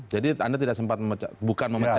jadi anda tidak sempat memecat bukan memecatnya